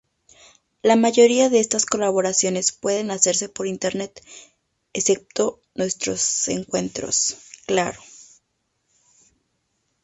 La mayoría de estas colaboraciones pueden hacerse por internet, excepto nuestros encuentros, claro.